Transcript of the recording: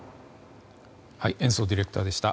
延増ディレクターでした。